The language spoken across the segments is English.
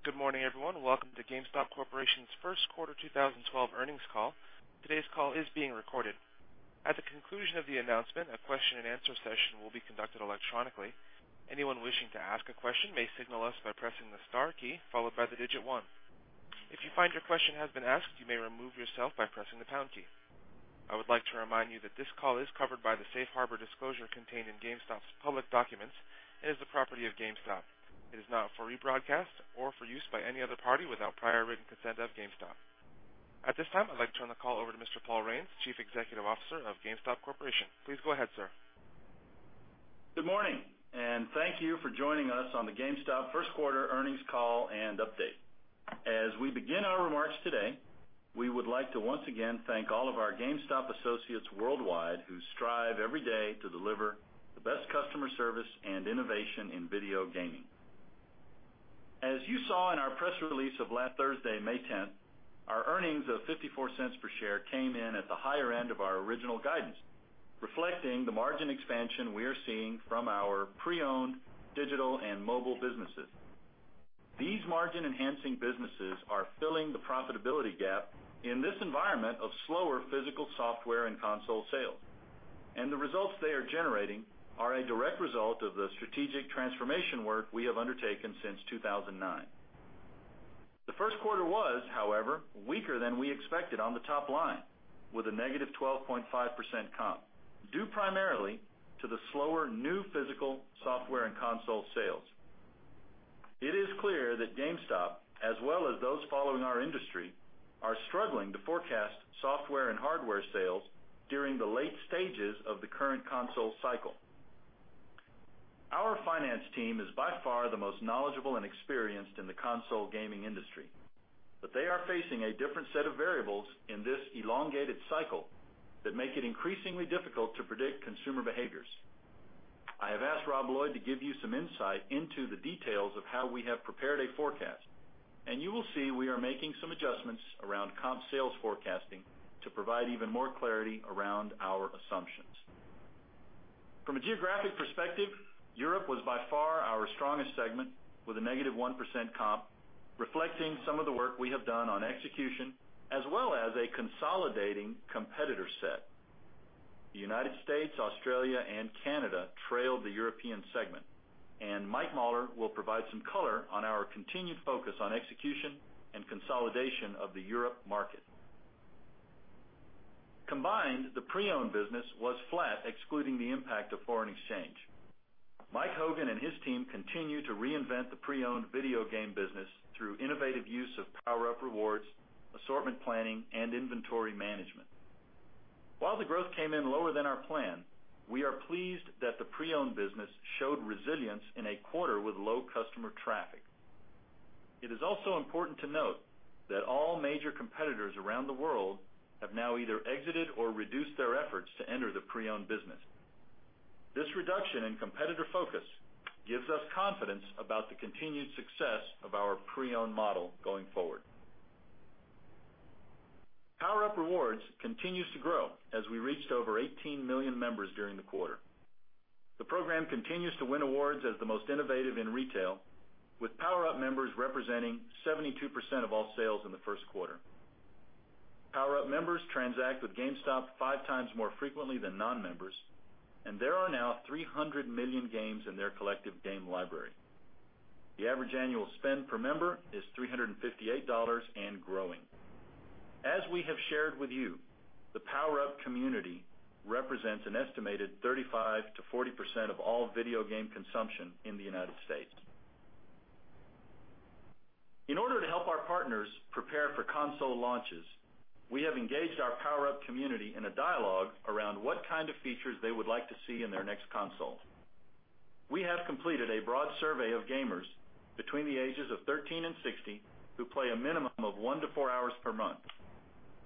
Good morning, everyone. Welcome to GameStop Corporation's first quarter 2012 earnings call. Today's call is being recorded. At the conclusion of the announcement, a question and answer session will be conducted electronically. Anyone wishing to ask a question may signal us by pressing the star key followed by the 1. If you find your question has been asked, you may remove yourself by pressing the pound key. I would like to remind you that this call is covered by the safe harbor disclosure contained in GameStop's public documents and is the property of GameStop. It is not for rebroadcast or for use by any other party without prior written consent of GameStop. At this time, I'd like to turn the call over to Mr. Paul Raines, Chief Executive Officer of GameStop Corporation. Please go ahead, sir. Good morning, thank you for joining us on the GameStop first quarter earnings call and update. As we begin our remarks today, we would like to once again thank all of our GameStop associates worldwide who strive every day to deliver the best customer service and innovation in video gaming. As you saw in our press release of last Thursday, May 10th, our earnings of $0.54 per share came in at the higher end of our original guidance, reflecting the margin expansion we are seeing from our pre-owned digital and mobile businesses. These margin-enhancing businesses are filling the profitability gap in this environment of slower physical software and console sales. The results they are generating are a direct result of the strategic transformation work we have undertaken since 2009. The first quarter was, however, weaker than we expected on the top line, with a negative 12.5% comp, due primarily to the slower new physical software and console sales. It is clear that GameStop, as well as those following our industry, are struggling to forecast software and hardware sales during the late stages of the current console cycle. Our finance team is by far the most knowledgeable and experienced in the console gaming industry. They are facing a different set of variables in this elongated cycle that make it increasingly difficult to predict consumer behaviors. I have asked Robert Lloyd to give you some insight into the details of how we have prepared a forecast. You will see we are making some adjustments around comp sales forecasting to provide even more clarity around our assumptions. From a geographic perspective, Europe was by far our strongest segment with a negative 1% comp, reflecting some of the work we have done on execution as well as a consolidating competitor set. The U.S., Australia, and Canada trailed the European segment. Mike Mauler will provide some color on our continued focus on execution and consolidation of the Europe market. Combined, the pre-owned business was flat, excluding the impact of foreign exchange. Michael Hogan and his team continue to reinvent the pre-owned video game business through innovative use of PowerUp Rewards, assortment planning, and inventory management. While the growth came in lower than our plan, we are pleased that the pre-owned business showed resilience in a quarter with low customer traffic. It is also important to note that all major competitors around the world have now either exited or reduced their efforts to enter the pre-owned business. This reduction in competitor focus gives us confidence about the continued success of our pre-owned model going forward. PowerUp Rewards continues to grow as we reached over 18 million members during the quarter. The program continues to win awards as the most innovative in retail, with PowerUp members representing 72% of all sales in the first quarter. PowerUp members transact with GameStop five times more frequently than non-members, and there are now 300 million games in their collective game library. The average annual spend per member is $358 and growing. As we have shared with you, the PowerUp community represents an estimated 35%-40% of all video game consumption in the U.S. In order to help our partners prepare for console launches, we have engaged our PowerUp community in a dialogue around what kind of features they would like to see in their next console. We have completed a broad survey of gamers between the ages of 13 and 60 who play a minimum of one to four hours per month,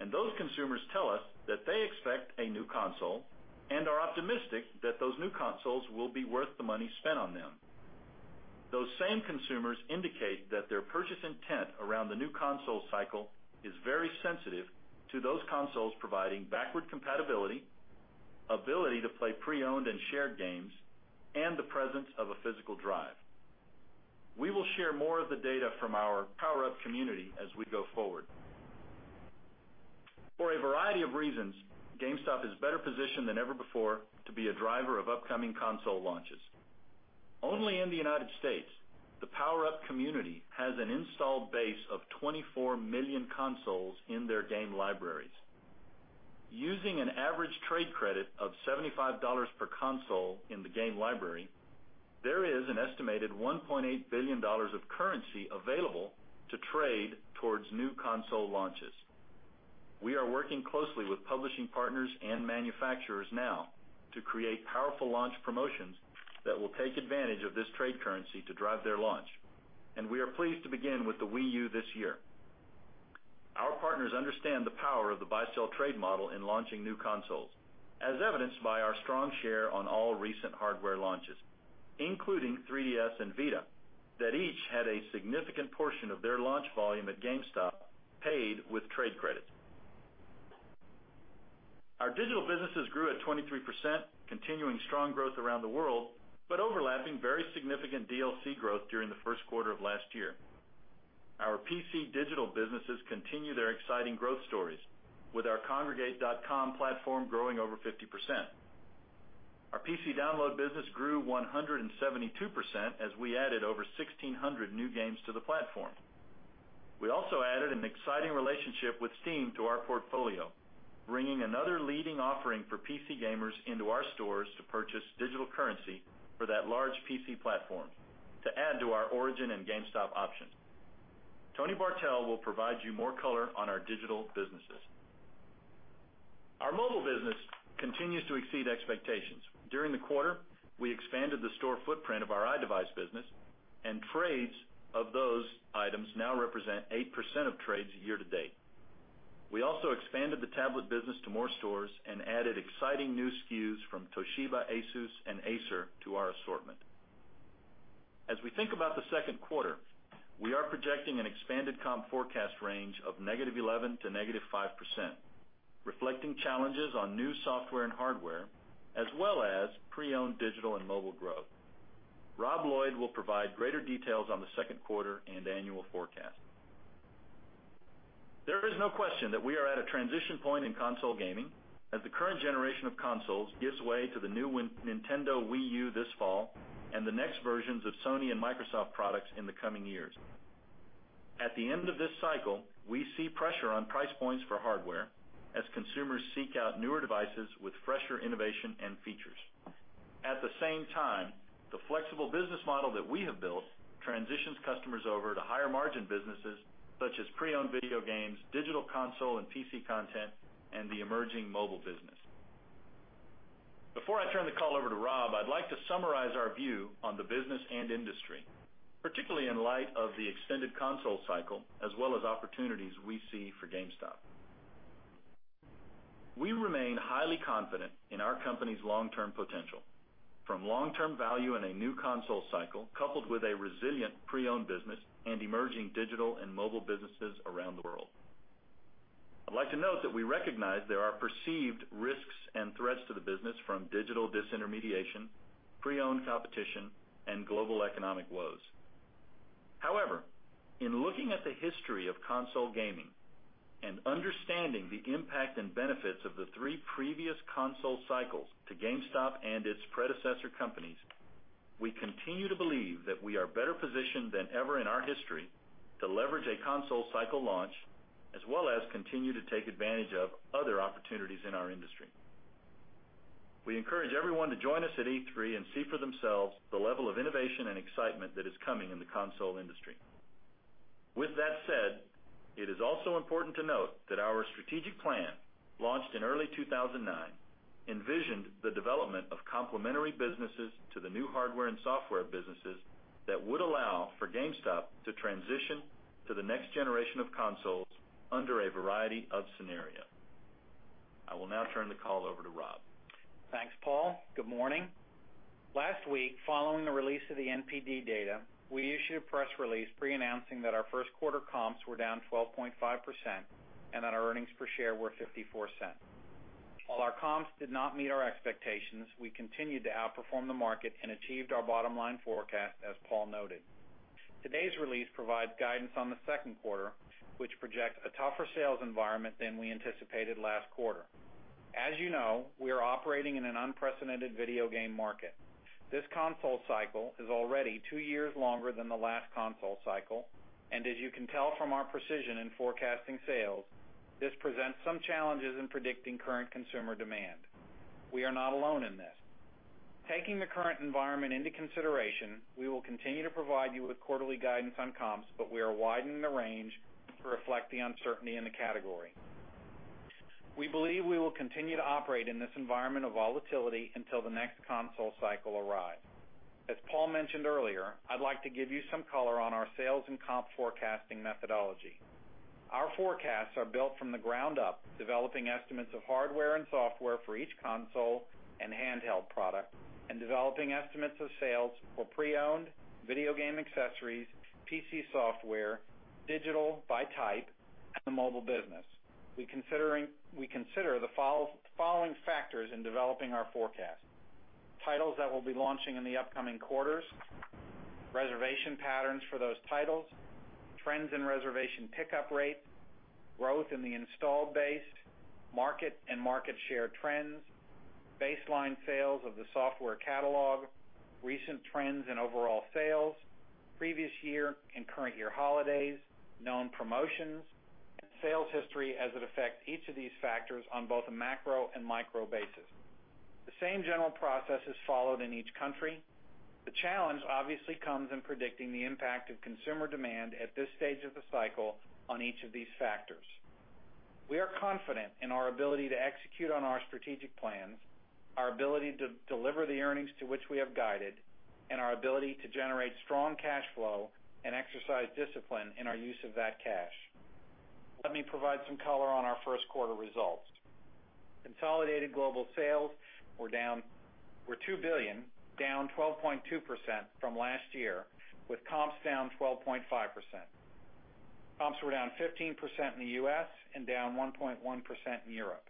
and those consumers tell us that they expect a new console and are optimistic that those new consoles will be worth the money spent on them. Those same consumers indicate that their purchase intent around the new console cycle is very sensitive to those consoles providing backward compatibility, ability to play pre-owned and shared games, and the presence of a physical drive. We will share more of the data from our PowerUp community as we go forward. For a variety of reasons, GameStop is better positioned than ever before to be a driver of upcoming console launches. Only in the U.S., the PowerUp community has an installed base of 24 million consoles in their game libraries. Using an average trade credit of $75 per console in the game library, there is an estimated $1.8 billion of currency available to trade towards new console launches. We are working closely with publishing partners and manufacturers now to create powerful launch promotions that will take advantage of this trade currency to drive their launch, and we are pleased to begin with the Wii U this year. Our partners understand the power of the buy-sell trade model in launching new consoles, as evidenced by our strong share on all recent hardware launches, including 3DS and Vita, that each had a significant portion of their launch volume at GameStop paid with trade credit. Our digital businesses grew at 23%, continuing strong growth around the world, but overlapping very significant DLC growth during the first quarter of last year. Our PC digital businesses continue their exciting growth stories, with our kongregate.com platform growing over 50%. Our PC download business grew 172% as we added over 1,600 new games to the platform. We also added an exciting relationship with Steam to our portfolio, bringing another leading offering for PC gamers into our stores to purchase digital currency for that large PC platform to add to our Origin and GameStop options. Tony Bartel will provide you more color on our digital businesses. Our mobile business continues to exceed expectations. During the quarter, we expanded the store footprint of our iDevice business, and trades of those items now represent 8% of trades year-to-date. We also expanded the tablet business to more stores and added exciting new SKUs from Toshiba, ASUS, and Acer to our assortment. As we think about the second quarter, we are projecting an expanded comp forecast range of -11% to -5%, reflecting challenges on new software and hardware, as well as pre-owned digital and mobile growth. Robert Lloyd will provide greater details on the second quarter and annual forecast. There is no question that we are at a transition point in console gaming as the current generation of consoles gives way to the new Nintendo Wii U this fall and the next versions of Sony and Microsoft products in the coming years. At the end of this cycle, we see pressure on price points for hardware as consumers seek out newer devices with fresher innovation and features. At the same time, the flexible business model that we have built transitions customers over to higher-margin businesses such as pre-owned video games, digital console and PC content, and the emerging mobile business. Before I turn the call over to Rob, I'd like to summarize our view on the business and industry, particularly in light of the extended console cycle, as well as opportunities we see for GameStop. We remain highly confident in our company's long-term potential, from long-term value in a new console cycle coupled with a resilient pre-owned business and emerging digital and mobile businesses around the world. I'd like to note that we recognize there are perceived risks and threats to the business from digital disintermediation, pre-owned competition, and global economic woes. In looking at the history of console gaming and understanding the impact and benefits of the three previous console cycles to GameStop and its predecessor companies, we continue to believe that we are better positioned than ever in our history to leverage a console cycle launch, as well as continue to take advantage of other opportunities in our industry. We encourage everyone to join us at E3 and see for themselves the level of innovation and excitement that is coming in the console industry. With that said, it is also important to note that our strategic plan, launched in early 2009, envisioned the development of complementary businesses to the new hardware and software businesses that would allow for GameStop to transition to the next generation of consoles under a variety of scenarios. I will now turn the call over to Rob. Thanks, Paul. Good morning. Last week, following the release of the NPD data, we issued a press release pre-announcing that our first quarter comps were down 12.5% and that our earnings per share were $0.54. While our comps did not meet our expectations, we continued to outperform the market and achieved our bottom-line forecast, as Paul noted. Today's release provides guidance on the second quarter, which projects a tougher sales environment than we anticipated last quarter. As you know, we are operating in an unprecedented video game market. This console cycle is already two years longer than the last console cycle, and as you can tell from our precision in forecasting sales, this presents some challenges in predicting current consumer demand. We are not alone in this. Taking the current environment into consideration, we will continue to provide you with quarterly guidance on comps, but we are widening the range to reflect the uncertainty in the category. We believe we will continue to operate in this environment of volatility until the next console cycle arrives. As Paul mentioned earlier, I'd like to give you some color on our sales and comp forecasting methodology. Our forecasts are built from the ground up, developing estimates of hardware and software for each console and handheld product and developing estimates of sales for pre-owned video game accessories, PC software, digital by type, and the mobile business. We consider the following factors in developing our forecast: titles that will be launching in the upcoming quarters, reservation patterns for those titles, trends in reservation pickup rates, growth in the installed base, market and market share trends, baseline sales of the software catalog, recent trends in overall sales, previous year and current year holidays, known promotions, and sales history as it affects each of these factors on both a macro and micro basis. The same general process is followed in each country. The challenge obviously comes in predicting the impact of consumer demand at this stage of the cycle on each of these factors. We are confident in our ability to execute on our strategic plans, our ability to deliver the earnings to which we have guided, and our ability to generate strong cash flow and exercise discipline in our use of that cash. Let me provide some color on our first quarter results. Consolidated global sales were $2 billion, down 12.2% from last year, with comps down 12.5%. Comps were down 15% in the U.S. and down 1.1% in Europe.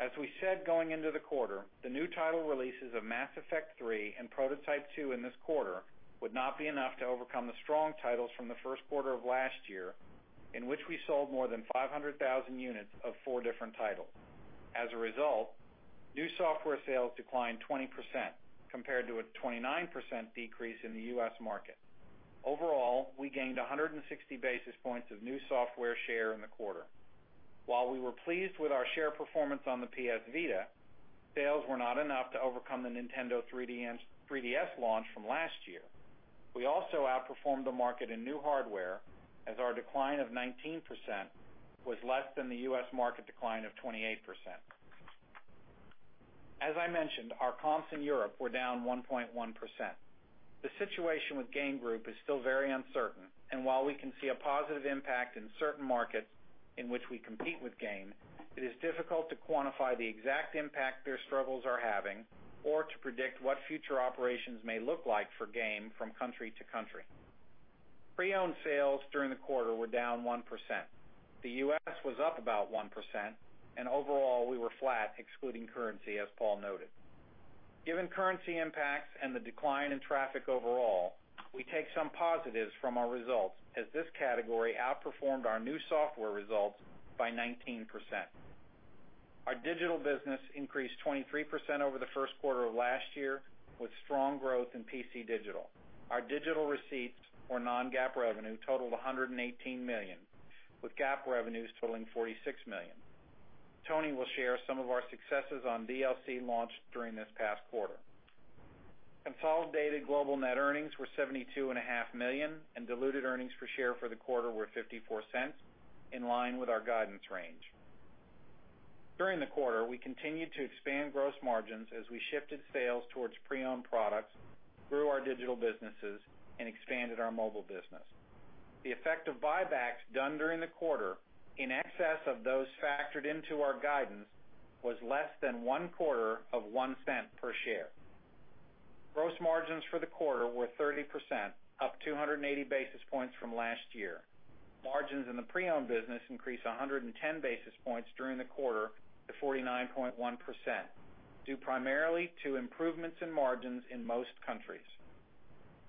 As we said going into the quarter, the new title releases of Mass Effect 3 and Prototype 2 in this quarter would not be enough to overcome the strong titles from the first quarter of last year, in which we sold more than 500,000 units of four different titles. As a result, new software sales declined 20%, compared to a 29% decrease in the U.S. market. Overall, we gained 160 basis points of new software share in the quarter. While we were pleased with our share performance on the PS Vita, sales were not enough to overcome the Nintendo 3DS launch from last year. We also outperformed the market in new hardware, as our decline of 19% was less than the U.S. market decline of 28%. As I mentioned, our comps in Europe were down 1.1%. The situation with Game Group is still very uncertain, and while we can see a positive impact in certain markets in which we compete with Game, it is difficult to quantify the exact impact their struggles are having or to predict what future operations may look like for Game from country to country. Pre-owned sales during the quarter were down 1%. The U.S. was up about 1%, and overall, we were flat excluding currency, as Paul noted. Given currency impacts and the decline in traffic overall, we take some positives from our results as this category outperformed our new software results by 19%. Our digital business increased 23% over the first quarter of last year, with strong growth in PC digital. Our digital receipts or non-GAAP revenue totaled $118 million, with GAAP revenues totaling $46 million. Tony will share some of our successes on DLC launched during this past quarter. Consolidated global net earnings were $72.5 million and diluted earnings per share for the quarter were $0.54, in line with our guidance range. During the quarter, we continued to expand gross margins as we shifted sales towards pre-owned products, grew our digital businesses and expanded our mobile business. The effect of buybacks done during the quarter, in excess of those factored into our guidance, was less than one-quarter of one cent per share. Gross margins for the quarter were 30%, up 280 basis points from last year. Margins in the pre-owned business increased 110 basis points during the quarter to 49.1%, due primarily to improvements in margins in most countries.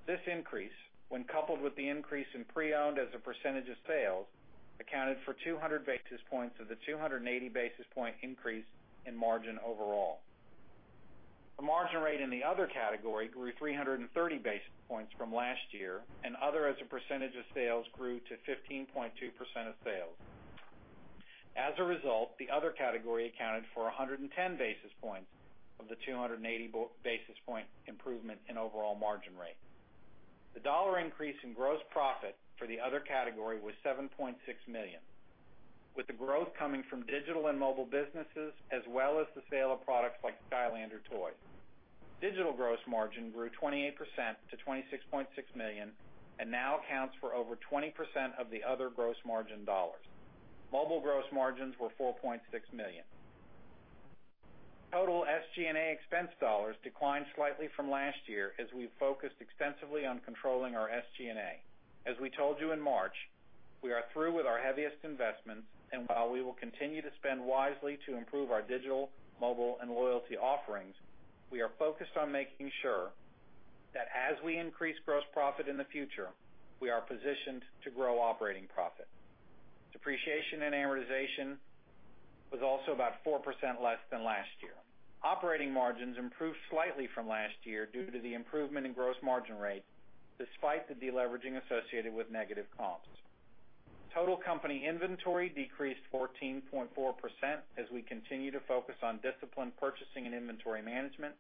This increase, when coupled with the increase in pre-owned as a percentage of sales, accounted for 200 basis points of the 280 basis point increase in margin overall. The margin rate in the other category grew 330 basis points from last year and other as a percentage of sales grew to 15.2% of sales. As a result, the other category accounted for 110 basis points of the 280 basis point improvement in overall margin rate. The dollar increase in gross profit for the other category was $7.6 million, with the growth coming from digital and mobile businesses, as well as the sale of products like Skylanders toys. Digital gross margin grew 28% to $26.6 million and now accounts for over 20% of the other gross margin dollars. Mobile gross margins were $4.6 million. Total SG&A expense dollars declined slightly from last year as we focused extensively on controlling our SG&A. As we told you in March, we are through with our heaviest investments, while we will continue to spend wisely to improve our digital, mobile and loyalty offerings, we are focused on making sure that as we increase gross profit in the future, we are positioned to grow operating profit. Depreciation and amortization was also about 4% less than last year. Operating margins improved slightly from last year due to the improvement in gross margin rate, despite the deleveraging associated with negative comps. Total company inventory decreased 14.4% as we continue to focus on disciplined purchasing and inventory management.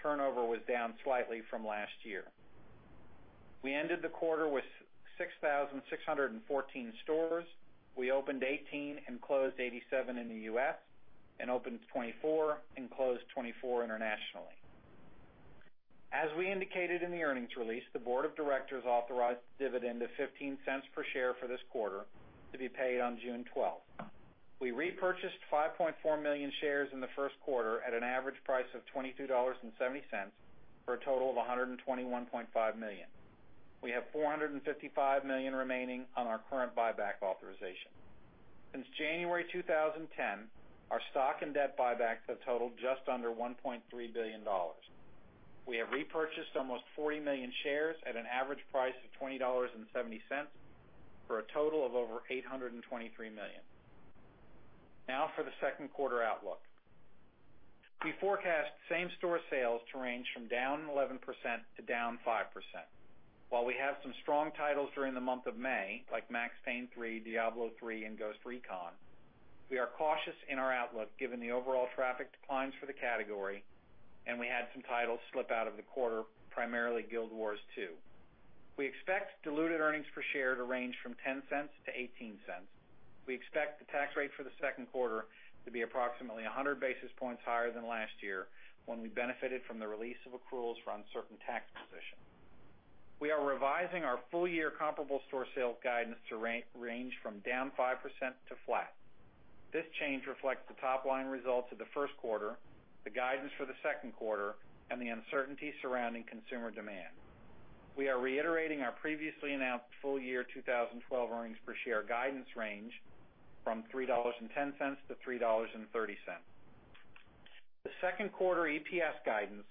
Turnover was down slightly from last year. We ended the quarter with 6,614 stores. We opened 18 and closed 87 in the U.S. and opened 24 and closed 24 internationally. As we indicated in the earnings release, the board of directors authorized the dividend of $0.15 per share for this quarter to be paid on June 12th. We repurchased 5.4 million shares in the first quarter at an average price of $22.70 for a total of $121.5 million. We have $455 million remaining on our current buyback authorization. Since January 2010, our stock and debt buybacks have totaled just under $1.3 billion. We have repurchased almost 40 million shares at an average price of $20.70, for a total of over $823 million. Now for the second quarter outlook. We forecast same-store sales to range from down 11% to down 5%. While we have some strong titles during the month of May, like "Max Payne 3," "Diablo III" and "Ghost Recon," we are cautious in our outlook given the overall traffic declines for the category, and we had some titles slip out of the quarter, primarily "Guild Wars 2." We expect diluted earnings per share to range from $0.10 to $0.18. We expect the tax rate for the second quarter to be approximately 100 basis points higher than last year, when we benefited from the release of accruals for uncertain tax positions. We are revising our full-year comparable store sales guidance to range from down 5% to flat. This change reflects the top-line results of the first quarter, the guidance for the second quarter, and the uncertainty surrounding consumer demand. We are reiterating our previously announced full-year 2012 earnings per share guidance range from $3.10 to $3.30. The second quarter EPS guidance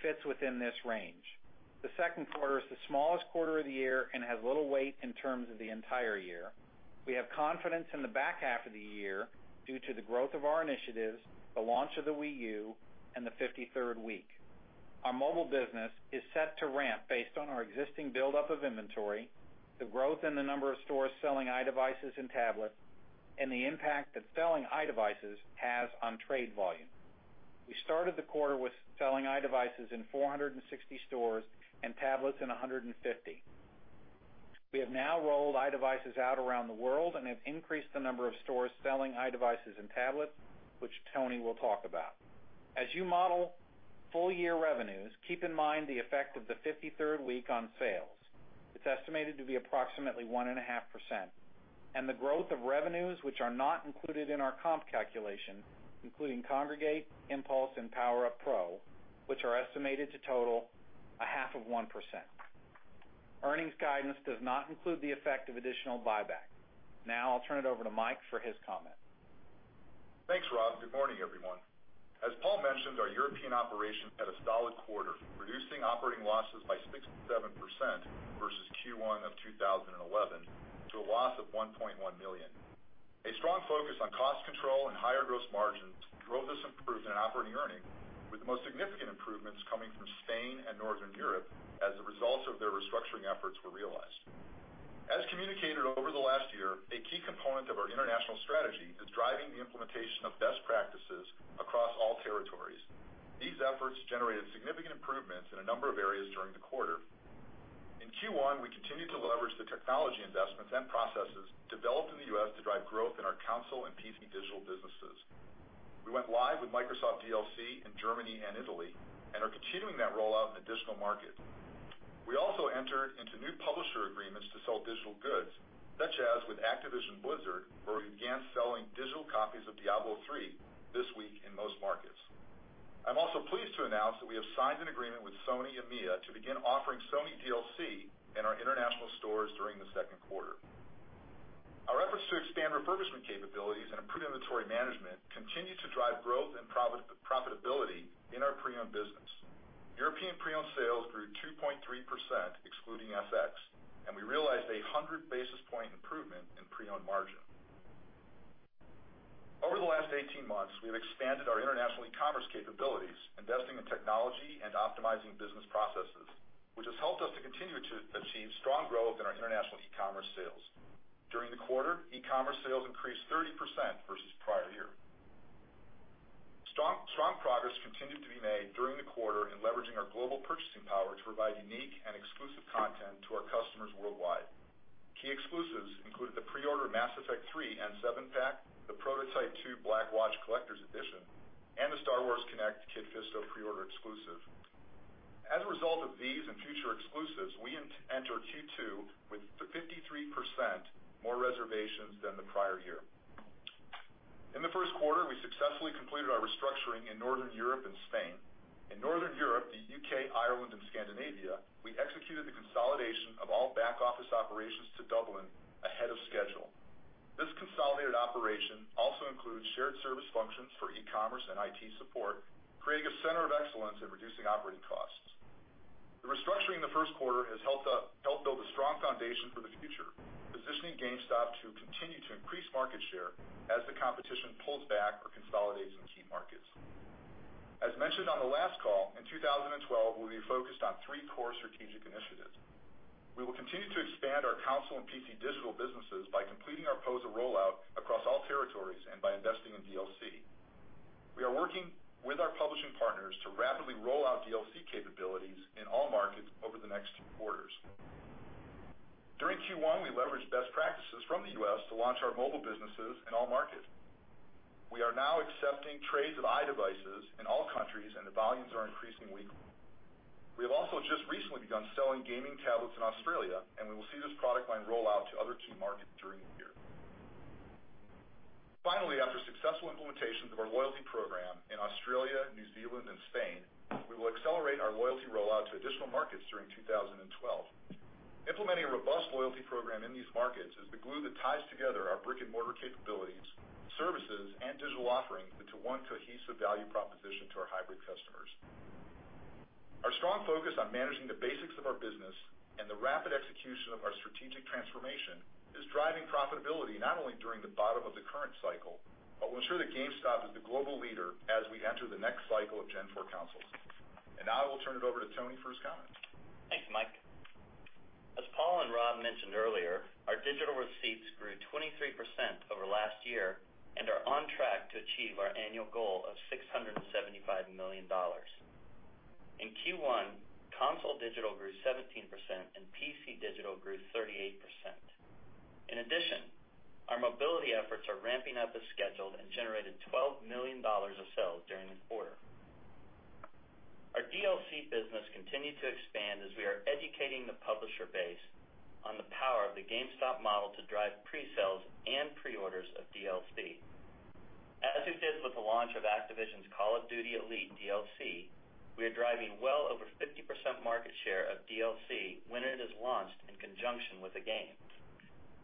fits within this range. The second quarter is the smallest quarter of the year and has little weight in terms of the entire year. We have confidence in the back half of the year due to the growth of our initiatives, the launch of the Wii U, and the 53rd week. Our mobile business is set to ramp based on our existing buildup of inventory, the growth in the number of stores selling iDevices and tablets, and the impact that selling iDevices has on trade volume. We started the quarter with selling iDevices in 460 stores and tablets in 150. We have now rolled iDevices out around the world and have increased the number of stores selling iDevices and tablets, which Tony will talk about. As you model full-year revenues, keep in mind the effect of the 53rd week on sales. It's estimated to be approximately 1.5%. The growth of revenues which are not included in our comp calculation, including Kongregate, Impulse, and PowerUp Pro, are estimated to total 0.5%. Earnings guidance does not include the effect of additional buyback. I'll turn it over to Mike for his comment. Thanks, Rob. Good morning, everyone. As Paul mentioned, our European operation had a solid quarter, reducing operating losses by 67% versus Q1 of 2011 to a loss of $1.1 million. A strong focus on cost control and higher gross margins drove this improvement in operating earnings, with the most significant improvements coming from Spain and Northern Europe as the results of their restructuring efforts were realized. As communicated over the last year, a key component of our international strategy is driving the implementation of best practices across all territories. These efforts generated significant improvements in a number of areas during the quarter. In Q1, we continued to leverage the technology investments and processes developed in the U.S. to drive growth in our console and PC digital businesses. We went live with Microsoft DLC in Germany and Italy and are continuing that rollout in additional markets. We also entered into new publisher agreements to sell digital goods, such as with Activision Blizzard, where we began selling digital copies of Diablo III this week in most markets. I am also pleased to announce that we have signed an agreement with Sony EMEA to begin offering Sony DLC in our international stores during the second quarter. Our efforts to expand refurbishment capabilities and improve inventory management continue to drive growth and profitability in our pre-owned business. European pre-owned sales grew 2.3%, excluding FX, and we realized a 100-basis point improvement in pre-owned margin. Over the last 18 months, we have expanded our international e-commerce capabilities, investing in technology and optimizing business processes, which has helped us to continue to achieve strong growth in our international e-commerce sales. During the quarter, e-commerce sales increased 30% versus the prior year. Strong progress continued to be made during the quarter in leveraging our global purchasing power to provide unique and exclusive content to our customers worldwide. Key exclusives included the pre-order of Mass Effect 3 N7 Pack, the Prototype 2 Blackwatch Collector's Edition, and the Star Wars Kinect Kit Fisto pre-order exclusive. As a result of these and future exclusives, we enter Q2 with 53% more reservations than the prior year. In the first quarter, we successfully completed our restructuring in Northern Europe and Spain. In Northern Europe, the U.K., Ireland, and Scandinavia, we executed the consolidation of all back-office operations to Dublin ahead of schedule. This consolidated operation also includes shared service functions for e-commerce and IT support, creating a center of excellence in reducing operating costs. The restructuring in the first quarter has helped build a strong foundation for the future, positioning GameStop to continue to increase market share as the competition pulls back or consolidates in key markets. As mentioned on the last call, in 2012, we will be focused on three core strategic initiatives. We will continue to expand our console and PC digital businesses by completing our POSA rollout across all territories and by investing in DLC. We are working with our publishing partners to rapidly roll out DLC capabilities in all markets over the next few quarters. During Q1, we leveraged best practices from the U.S. to launch our mobile businesses in all markets. We are now accepting trades of iDevices in all countries, and the volumes are increasing weekly. We have also just recently begun selling gaming tablets in Australia, and we will see this product line roll out to other key markets during the year. Finally, after successful implementations of our loyalty program in Australia, New Zealand, and Spain, we will accelerate our loyalty rollout to additional markets during 2012. Implementing a robust loyalty program in these markets is the glue that ties together our brick-and-mortar capabilities, services, and digital offerings into one cohesive value proposition to our hybrid customers. Our strong focus on managing the basics of our business and the rapid execution of our strategic transformation is driving profitability not only during the bottom of the current cycle, but will ensure that GameStop is the global leader as we enter the next cycle of Gen 4 consoles. Now I will turn it over to Tony for his comments. Thanks, Mike. As Paul and Rob mentioned earlier, our digital receipts grew 23% over last year and are on track to achieve our annual goal of $675 million. In Q1, console digital grew 17% and PC digital grew 38%. In addition, our mobility efforts are ramping up as scheduled and generated $12 million of sales during the quarter. Our DLC business continued to expand as we are educating the publisher base on the power of the GameStop model to drive pre-sales and pre-orders of DLC. As it did with the launch of Activision's "Call of Duty: Elite" DLC, we are driving well over 50% market share of DLC when it is launched in conjunction with a game.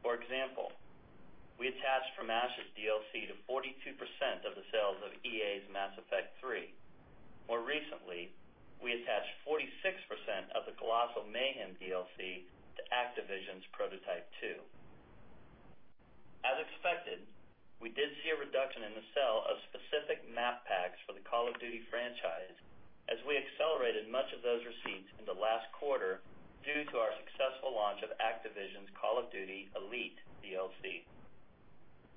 For example, we attached From Ashes DLC to 42% of the sales of EA's "Mass Effect 3". More recently, we attached 46% of the "Colossal Mayhem Pack" DLC to Activision's "Prototype 2". As expected, we did see a reduction in the sale of specific map packs for the "Call of Duty" franchise as we accelerated much of those receipts in the last quarter due to our successful launch of Activision's "Call of Duty: Elite" DLC.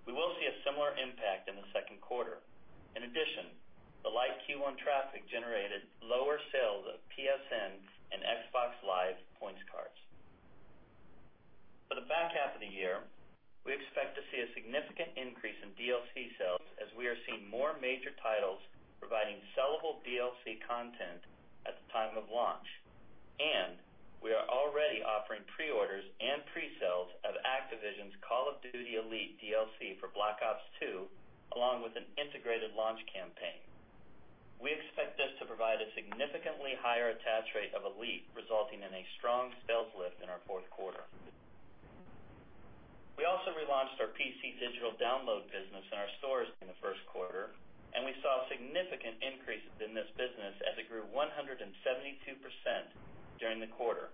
We will see a similar impact in the second quarter. In addition, the light Q1 traffic generated lower sales of PlayStation Network and Xbox Live points cards. For the back half of the year, we expect to see a significant increase in DLC sales as we are seeing more major titles providing sellable DLC content at the time of launch, and we are already offering pre-orders and pre-sales of Activision's "Call of Duty: Elite" DLC for "Black Ops II," along with an integrated launch campaign. We expect this to provide a significantly higher attach rate of Elite, resulting in a strong sales lift in our fourth quarter. We also relaunched our PC digital download business in our stores in the first quarter, and we saw a significant increase in this business as it grew 172% during the quarter.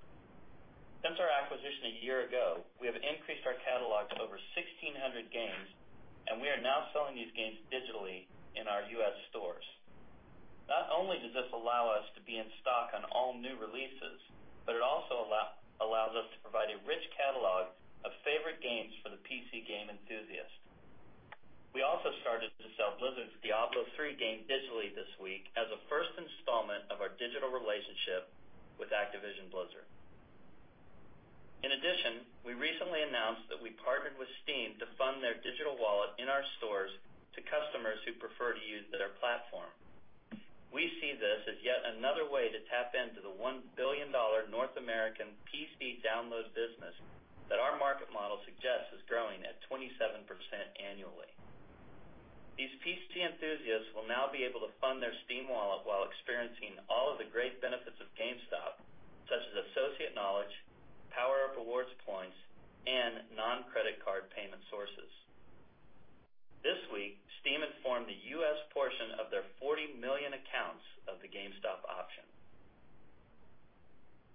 Since our acquisition a year ago, we have increased our catalog to over 1,600 games, and we are now selling these games digitally in our U.S. stores. Not only does this allow us to be in stock on all new releases, but it also allows us to provide a rich catalog of favorite games for the PC game enthusiast. We also started to sell Blizzard's "Diablo III" game digitally this week as a first installment of our digital relationship with Activision Blizzard. In addition, we recently announced that we partnered with Steam to fund their digital wallet in our stores to customers who prefer to use their platform. We see this as yet another way to tap into the $1 billion North American PC download business that our market model suggests is growing at 27% annually. These PC enthusiasts will now be able to fund their Steam wallet while experiencing all of the great benefits of GameStop, such as associate knowledge, PowerUp Rewards points, and non-credit card payment sources. This week, Steam informed the U.S. portion of their 40 million accounts of the GameStop option.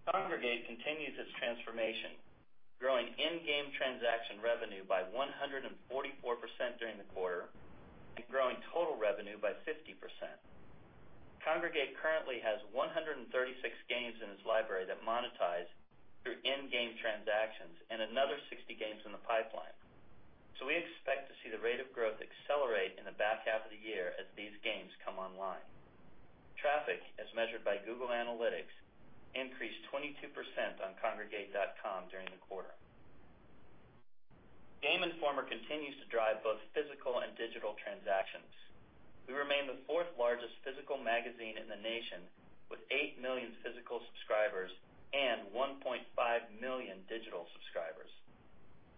Kongregate continues its transformation, growing in-game transaction revenue by 144% during the quarter and growing total revenue by 50%. Kongregate currently has 136 games in its library that monetize through in-game transactions and another 60 games in the pipeline. We expect to see the rate of growth accelerate in the back half of the year as these games come online. Traffic, as measured by Google Analytics, increased 22% on kongregate.com during the quarter. Game Informer continues to drive both physical and digital transactions. We remain the fourth largest physical magazine in the nation, with 8 million physical subscribers and 1.5 million digital subscribers.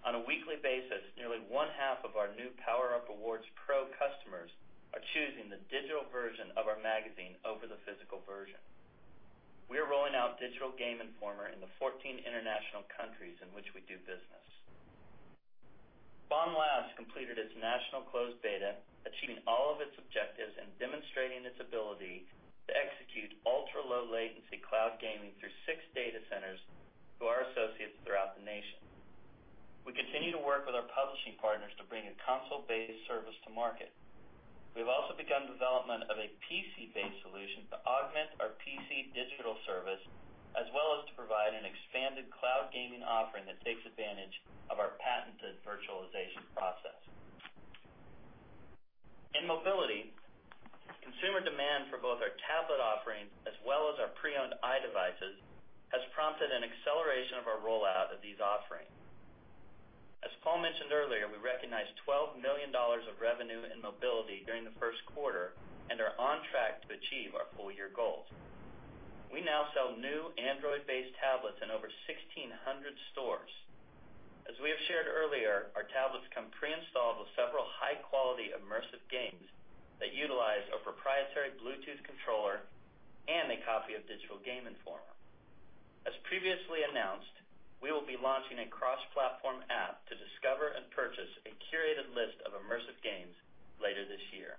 On a weekly basis, nearly one half of our new PowerUp Rewards Pro customers are choosing the digital version of our magazine over the physical version. We are rolling out digital Game Informer in the 14 international countries in which we do business. Spawn Labs completed its national closed beta, achieving all of its objectives and demonstrating its ability to execute ultra-low latency cloud gaming through six data centers to our associates throughout the nation. We have also begun development of a PC-based solution to augment our PC digital service, as well as to provide an expanded cloud gaming offering that takes advantage of our patented virtualization process. In mobility, consumer demand for both our tablet offerings as well as our pre-owned iDevices has prompted an acceleration of our rollout of these offerings. As Paul mentioned earlier, we recognized $12 million of revenue in mobility during the first quarter and are on track to achieve our full-year goals. We now sell new Android-based tablets in over 1,600 stores. As we have shared earlier, our tablets come pre-installed with several high-quality immersive games that utilize a proprietary Bluetooth controller and a copy of Digital Game Informer. As previously announced, we will be launching a cross-platform app to discover and purchase a curated list of immersive games later this year.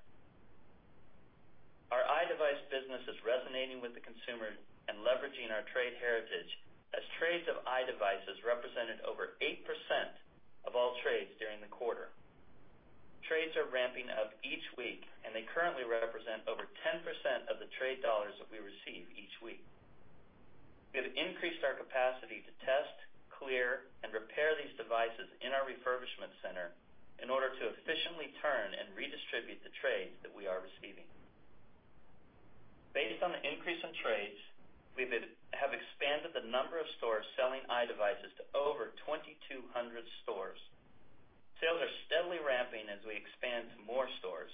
Our iDevice business is resonating with the consumer and leveraging our trade heritage as trades of iDevices represented over 8% of all trades during the quarter. Trades are ramping up each week. They currently represent over 10% of the trade dollars that we receive each week. We have increased our capacity to test, clear, and repair these devices in our refurbishment center in order to efficiently turn and redistribute the trades that we are receiving. Based on the increase in trades, we have expanded the number of stores selling iDevices to over 2,200 stores. Sales are steadily ramping as we expand to more stores.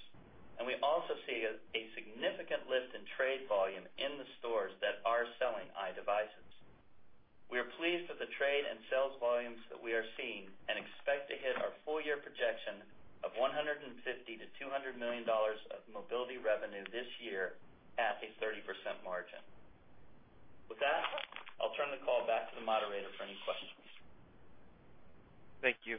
We also see a significant lift in trade volume in the stores that are selling iDevices. We are pleased with the trade and sales volumes that we are seeing and expect to hit our full-year projection of $150 million-$200 million of mobility revenue this year at a 30% margin. I'll turn the call back to the moderator for any questions. Thank you.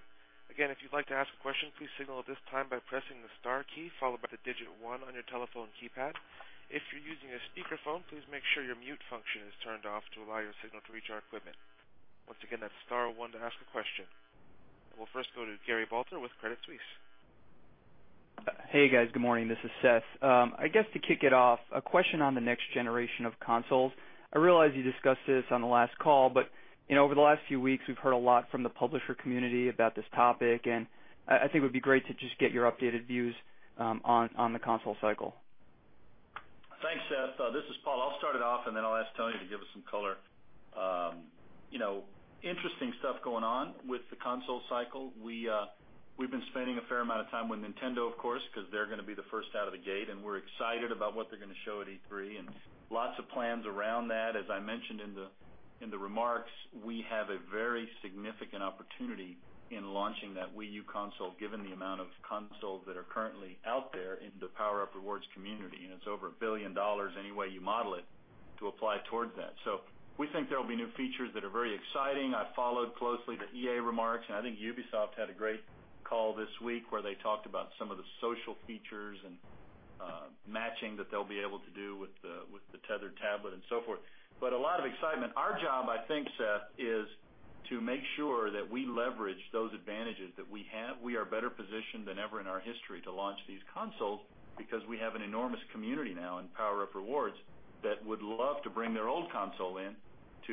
If you'd like to ask a question, please signal at this time by pressing the star key followed by the digit 1 on your telephone keypad. If you're using a speakerphone, please make sure your mute function is turned off to allow your signal to reach our equipment. Once again, that's star 1 to ask a question. We'll first go to Gary Balter with Credit Suisse. Hey, guys. Good morning. This is Seth. To kick it off, a question on the next generation of consoles. I realize you discussed this on the last call. Over the last few weeks, we've heard a lot from the publisher community about this topic. I think it would be great to just get your updated views on the console cycle. Thanks, Seth. This is Paul. I'll start it off, and then I'll ask Tony to give us some color. Interesting stuff going on with the console cycle. We've been spending a fair amount of time with Nintendo, of course, because they're going to be the first out of the gate, and we're excited about what they're going to show at E3 and lots of plans around that. As I mentioned in the remarks, we have a very significant opportunity in launching that Wii U console given the amount of consoles that are currently out there in the PowerUp Rewards community, and it's over $1 billion any way you model it to apply towards that. We think there will be new features that are very exciting. I followed closely the EA remarks. I think Ubisoft had a great call this week, where they talked about some of the social features and matching that they'll be able to do with the tethered tablet and so forth. A lot of excitement. Our job, I think, Seth, is to make sure that we leverage those advantages that we have. We are better positioned than ever in our history to launch these consoles because we have an enormous community now in PowerUp Rewards that would love to bring their old console in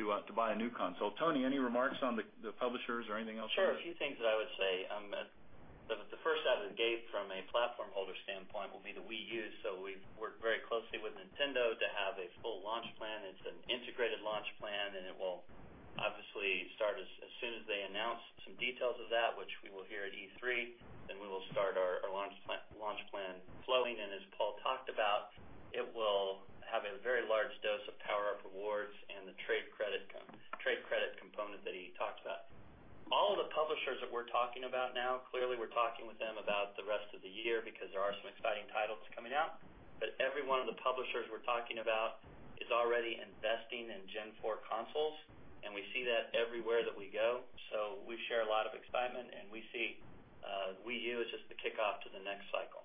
to buy a new console. Tony, any remarks on the publishers or anything else? Sure. A few things that I would say. The first out of the gate from a platform holder standpoint will be the Wii U. We've worked very closely with Nintendo to have a full launch plan. It's an integrated launch plan, it will obviously start as soon as they announce some details of that, which we will hear at E3. We will start our launch plan flowing, as Paul talked about, it will have a very large dose of PowerUp Rewards and the trade credit component that he talked about. All of the publishers that we're talking about now, clearly we're talking with them about the rest of the year because there are some exciting titles coming out. Every one of the publishers we're talking about is already investing in Gen 4 consoles, we see that everywhere that we go. We share a lot of excitement, we see Wii U as just the kickoff to the next cycle.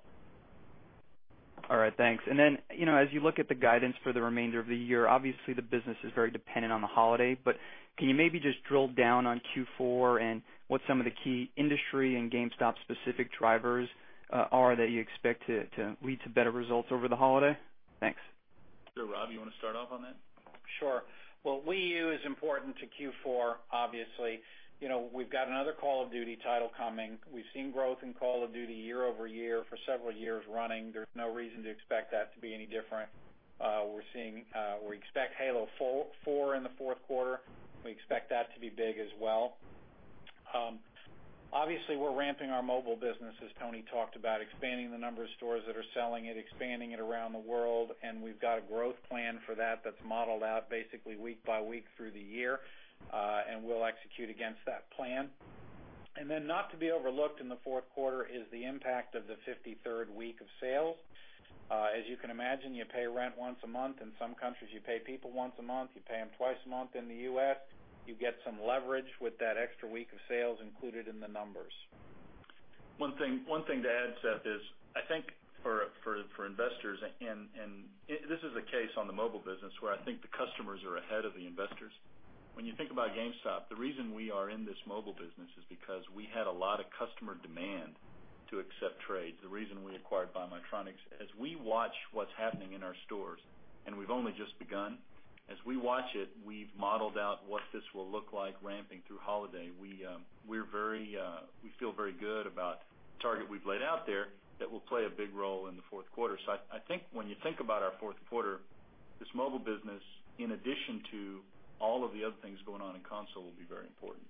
All right. Thanks. As you look at the guidance for the remainder of the year, obviously the business is very dependent on the holiday. Can you maybe just drill down on Q4 and what some of the key industry and GameStop specific drivers are that you expect to lead to better results over the holiday? Thanks. Sure. Rob, you want to start off on that? Sure. Well, Wii U is important to Q4, obviously. We've got another Call of Duty title coming. We've seen growth in Call of Duty year-over-year for several years running. There's no reason to expect that to be any different. We expect Halo 4 in the fourth quarter. We expect that to be big as well. Obviously, we're ramping our mobile business, as Tony talked about, expanding the number of stores that are selling it, expanding it around the world. We've got a growth plan for that that's modeled out basically week by week through the year. We'll execute against that plan. Not to be overlooked in the fourth quarter is the impact of the 53rd week of sales. As you can imagine, you pay rent once a month. In some countries, you pay people once a month. You pay them twice a month in the U.S. You get some leverage with that extra week of sales included in the numbers. One thing to add, Seth, is I think for investors. This is a case on the mobile business where I think the customers are ahead of the investors. When you think about GameStop, the reason we are in this mobile business is because we had a lot of customer demand to accept trades. The reason we acquired BuyMyTronics, as we watch what's happening in our stores. We've only just begun. As we watch it, we've modeled out what this will look like ramping through holiday. We feel very good about the target we've laid out there that will play a big role in the fourth quarter. I think when you think about our fourth quarter, this mobile business, in addition to all of the other things going on in console, will be very important.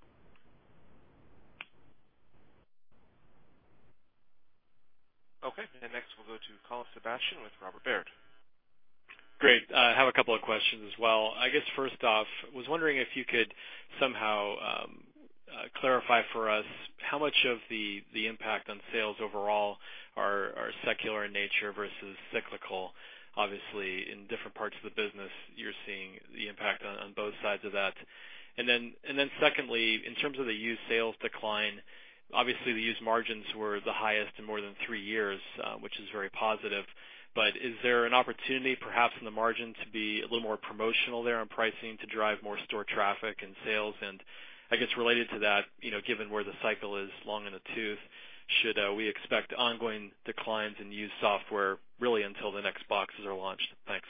Okay. Next, we'll go to Colin Sebastian with Robert W. Baird. Great. I have a couple of questions as well. I guess, first off, I was wondering if you could somehow clarify for us how much of the impact on sales overall are secular in nature versus cyclical. Obviously, in different parts of the business, you're seeing the impact on both sides of that. Then secondly, in terms of the used sales decline, obviously the used margins were the highest in more than three years, which is very positive. But is there an opportunity perhaps in the margin to be a little more promotional there on pricing to drive more store traffic and sales? I guess related to that, given where the cycle is long in the tooth, should we expect ongoing declines in used software really until the next boxes are launched? Thanks.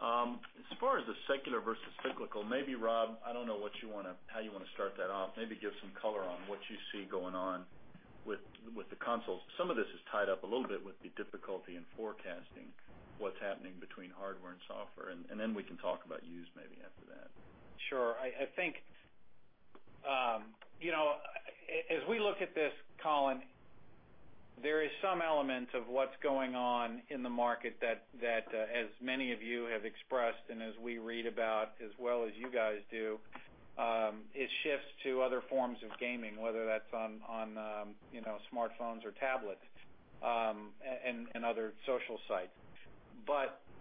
As far as the secular versus cyclical, maybe Rob, I don't know how you want to start that off. Maybe give some color on what you see going on with the consoles, some of this is tied up a little bit with the difficulty in forecasting what's happening between hardware and software, then we can talk about used maybe after that. Sure. I think, as we look at this, Colin, there is some element of what's going on in the market that as many of you have expressed, as we read about as well as you guys do, it shifts to other forms of gaming, whether that's on smartphones or tablets, other social sites.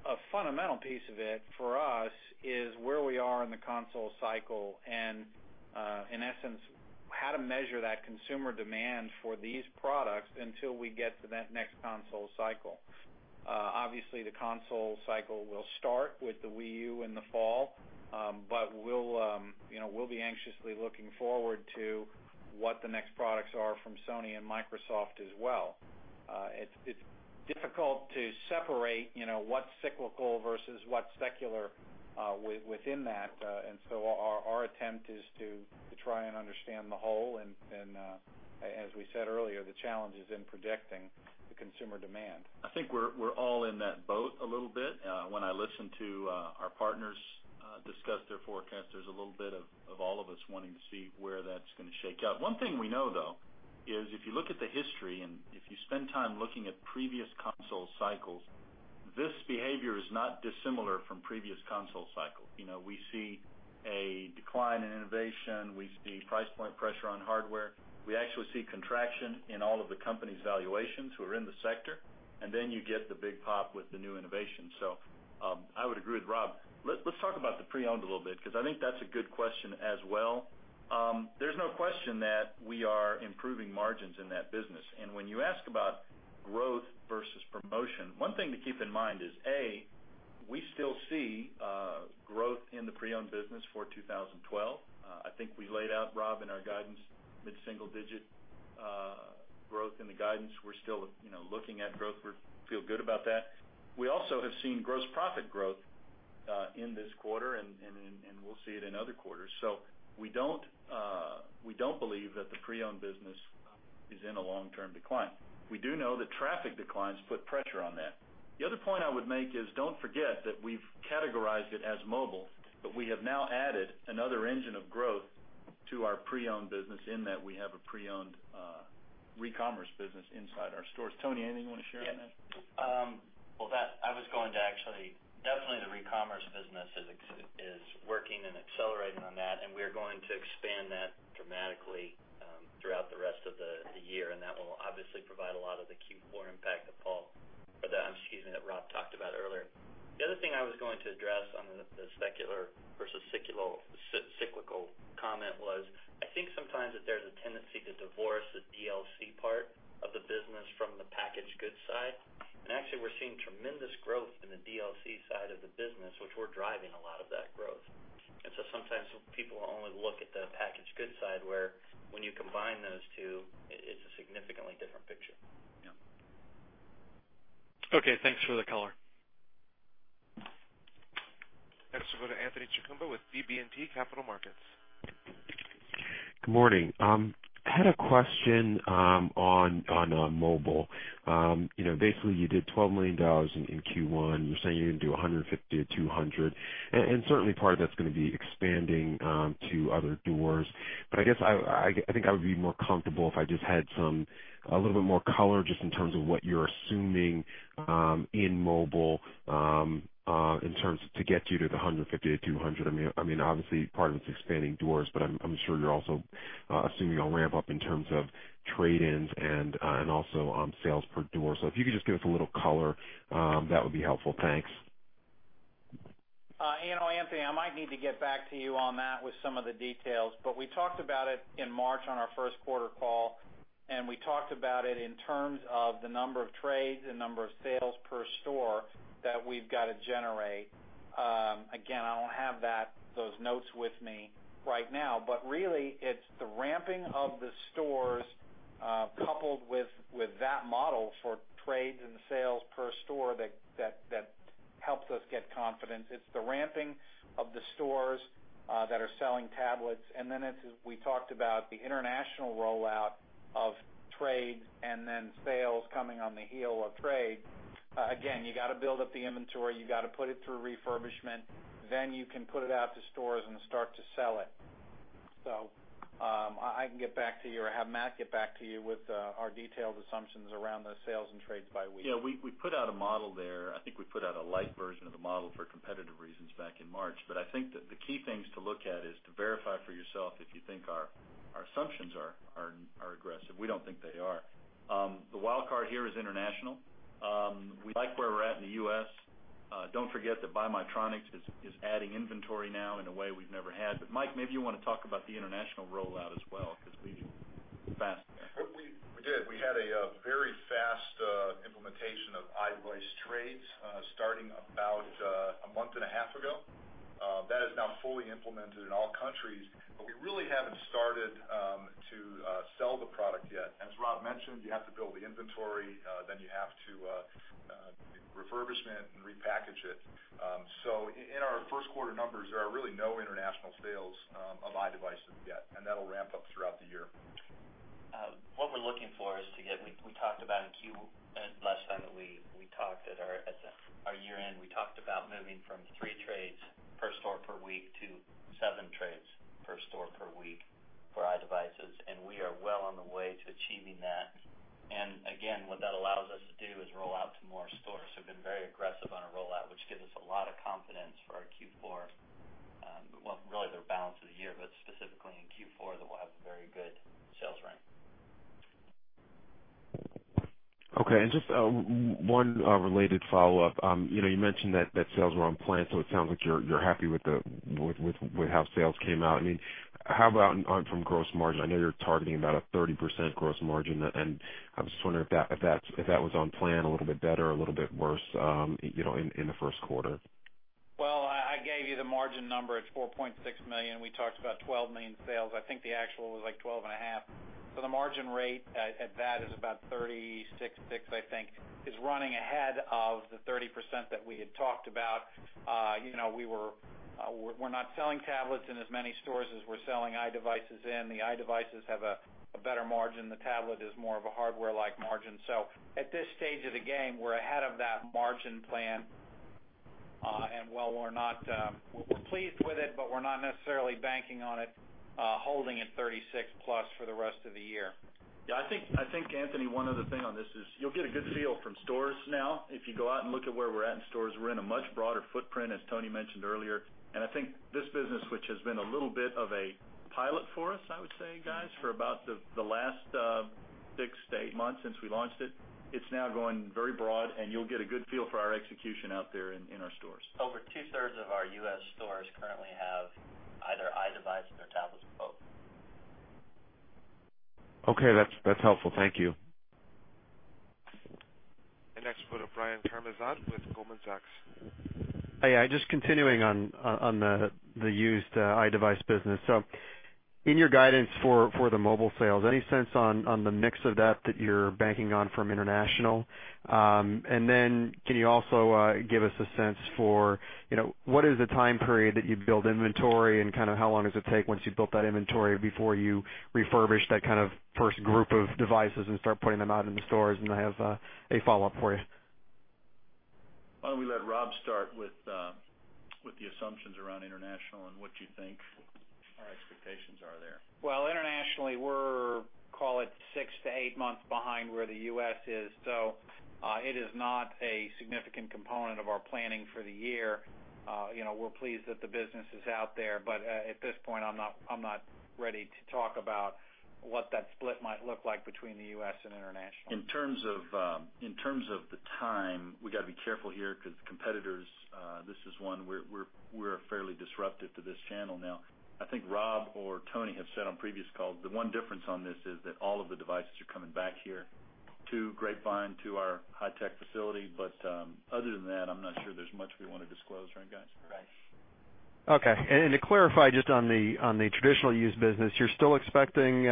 A fundamental piece of it for us is where we are in the console cycle and, in essence, how to measure that consumer demand for these products until we get to that next console cycle. Obviously, the console cycle will start with the Wii U in the fall. We'll be anxiously looking forward to what the next products are from Sony and Microsoft as well. It's difficult to separate what's cyclical versus what's secular within that. Our attempt is to try and understand the whole and, as we said earlier, the challenges in projecting the consumer demand. I think we're all in that boat a little bit. When I listen to our partners discuss their forecast, there's a little bit of all of us wanting to see where that's going to shake out. One thing we know, though, is if you look at the history and if you spend time looking at previous console cycles, this behavior is not dissimilar from previous console cycles. We see a decline in innovation. We see price point pressure on hardware. We actually see contraction in all of the company's valuations who are in the sector, and then you get the big pop with the new innovation. I would agree with Rob. Let's talk about the pre-owned a little bit, because I think that's a good question as well. There's no question that we are improving margins in that business. When you ask about growth versus promotion, one thing to keep in mind is, A, we still see growth in the pre-owned business for 2012. I think we laid out, Rob, in our guidance, mid-single-digit growth in the guidance. We're still looking at growth. We feel good about that. We also have seen gross profit growth in this quarter, and we'll see it in other quarters. We don't believe that the pre-owned business is in a long-term decline. We do know that traffic declines put pressure on that. The other point I would make is, don't forget that we've categorized it as mobile, but we have now added another engine of growth to our pre-owned business in that we have a pre-owned recommerce business inside our stores. Tony, anything you want to share on that? Yes. Well, definitely the recommerce business is working and accelerating on that, and we are going to expand that dramatically throughout the rest of the year, and that will obviously provide a lot of the Q4 impact that Rob talked about earlier. The other thing I was going to address on the secular versus cyclical comment was, I think sometimes that there's a tendency to divorce the DLC part of the business from the packaged goods side. Actually, we're seeing tremendous growth in the DLC side of the business, which we're driving a lot of that growth. Sometimes people only look at the packaged goods side, where when you combine those two, it's a significantly different picture. Yeah. Okay, thanks for the color. Next, we'll go to Anthony Chukumba with BB&T Capital Markets. Good morning. Basically, I had a question on mobile. You did $12 million in Q1. You're saying you're going to do $150 million to $200 million. Certainly part of that's going to be expanding to other doors. I guess I think I would be more comfortable if I just had a little bit more color just in terms of what you're assuming in mobile to get you to the $150 million to $200 million. Obviously, part of it's expanding doors, but I'm sure you're also assuming you'll ramp up in terms of trade-ins and also sales per door. If you could just give us a little color, that would be helpful. Thanks. Anthony, I might need to get back to you on that with some of the details, but we talked about it in March on our first quarter call, and we talked about it in terms of the number of trades and number of sales per store that we've got to generate. Again, I don't have those notes with me right now, but really it's the ramping of the stores coupled with that model for trades and sales per store that helps us get confidence. It's the ramping of the stores that are selling tablets, and then it's, as we talked about, the international rollout of trades and then sales coming on the heel of trade. Again, you got to build up the inventory, you got to put it through refurbishment, then you can put it out to stores and start to sell it. I can get back to you or have Matt get back to you with our detailed assumptions around those sales and trades by week. Yeah, we put out a model there. I think we put out a light version of the model for competitive reasons back in March. I think that the key things to look at is to verify for yourself if you think our assumptions are aggressive. We don't think they are. The wild card here is international. We like where we're at in the U.S. Don't forget that BuyMyTronics is adding inventory now in a way we've never had. Mike, maybe you want to talk about the international rollout as well, because we moved fast. We did. We had a very fast implementation of iDevice trades starting about a month and a half ago. That is now fully implemented in all countries, but we really haven't started to sell the product yet. As Rob mentioned, you have to build the inventory, then you have to do refurbishment and repackage it. In our first quarter numbers, there are really no international sales of iDevices yet, and that'll ramp up throughout the year. What we're looking for is to get, we talked about last time that we talked at our year-end, we talked about moving from three trades per store per week to seven trades per store per week for iDevices, and we are well on the way to achieving that. Again, what that allows us to do is roll out to more stores. We've been very aggressive on our rollout, which gives us a lot of confidence for our Q4. Well, really the balance of the year, but specifically in Q4, that we'll have a very good sales rank. Okay, just one related follow-up. You mentioned that sales were on plan, so it sounds like you're happy with how sales came out. How about from gross margin? I know you're targeting about a 30% gross margin, and I was just wondering if that was on plan, a little bit better, a little bit worse in the first quarter? Well, I gave you the margin number. It's $4.6 million. We talked about $12 million sales. I think the actual was, like, 12 and a half. The margin rate at that is about 36.6, I think. It's running ahead of the 30% that we had talked about. We're not selling tablets in as many stores as we're selling iDevices in. The iDevices have a better margin. The tablet is more of a hardware-like margin. At this stage of the game, we're ahead of that margin plan. While we're pleased with it, but we're not necessarily banking on it, holding at 36+ for the rest of the year. Yeah, I think, Anthony, one other thing on this is you'll get a good feel from stores now. If you go out and look at where we're at in stores, we're in a much broader footprint, as Tony mentioned earlier. I think this business, which has been a little bit of a pilot for us, I would say, guys, for about the last six to eight months since we launched it's now going very broad, and you'll get a good feel for our execution out there in our stores. Over two-thirds of our U.S. stores currently have either iDevices or tablets or both. Okay, that's helpful. Thank you. The next we have Brian Karimzad with Goldman Sachs. Hi. Just continuing on the used iDevice business. In your guidance for the mobile sales, any sense on the mix of that you're banking on from international? Can you also give us a sense for what is the time period that you build inventory and how long does it take once you've built that inventory before you refurbish that first group of devices and start putting them out in the stores? I have a follow-up for you. Why don't we let Rob start with the assumptions around international and what you think our expectations are there. Internationally, we're, call it six to eight months behind where the U.S. is. It is not a significant component of our planning for the year. We're pleased that the business is out there, but at this point, I'm not ready to talk about what that split might look like between the U.S. and international. In terms of the time, we got to be careful here because competitors, this is one, we're fairly disruptive to this channel now. I think Rob or Tony have said on previous calls, the one difference on this is that all of the devices are coming back here to Grapevine, to our high-tech facility. Other than that, I'm not sure there's much we want to disclose, right guys? Right. Okay. To clarify just on the traditional used business, you're still expecting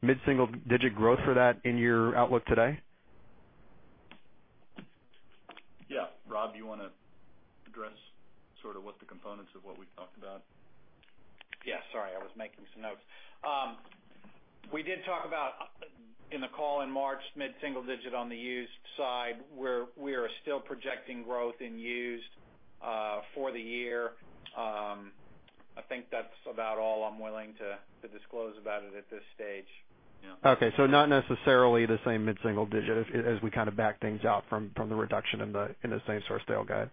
mid-single digit growth for that in your outlook today? Yeah. Rob, do you want to address sort of what the components of what we've talked about? Sorry, I was making some notes. We did talk about, in the call in March, mid-single digit on the used side, where we are still projecting growth in used for the year. I think that's about all I'm willing to disclose about it at this stage. Not necessarily the same mid-single digit as we back things out from the reduction in the same-store sales guide.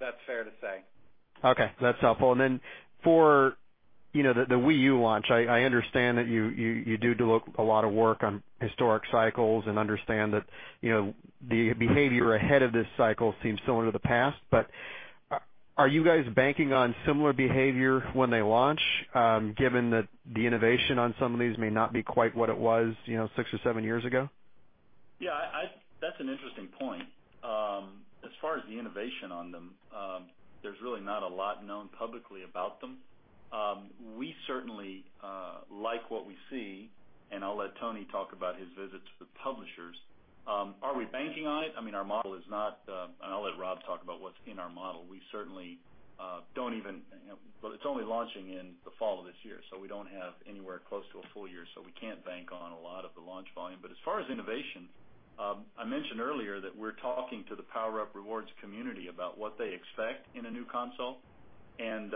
That's fair to say. That's helpful. For the Wii U launch, I understand that you do a lot of work on historic cycles and understand that the behavior ahead of this cycle seems similar to the past. Are you guys banking on similar behavior when they launch, given that the innovation on some of these may not be quite what it was six or seven years ago? Yeah, that's an interesting point. As far as the innovation on them, there's really not a lot known publicly about them. We certainly like what we see, and I'll let Tony talk about his visits with publishers. Are we banking on it? I mean, our model. I'll let Rob talk about what's in our model. We certainly. It's only launching in the fall of this year, we don't have anywhere close to a full year, we can't bank on a lot of the launch volume. As far as innovation, I mentioned earlier that we're talking to the PowerUp Rewards community about what they expect in a new console, and